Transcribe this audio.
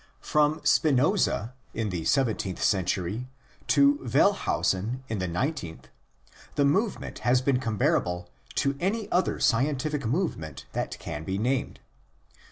From Spinoza in the seventeenth century to Wellhausen in the nineteenth, the movement has been comparable to any other scientific movement that can be named.